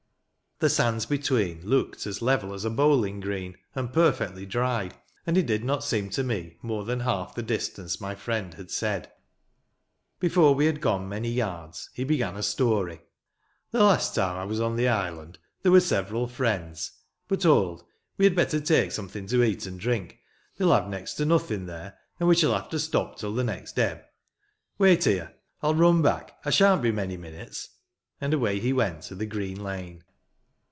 The sands between looked as level as a bowling green, and perfectly dry; and it did not seem to me more than half the distance my friend bad said. Before we had gone many yards he began a story :—*' The last time I was on the island there were several friends — But hold! we had better take something to eat and drink. They'll have next to nothing there ; and we shall have to stop till the next ebb. Wait here. I'll run back. I shan't be many minutes." And away he went to the green lane.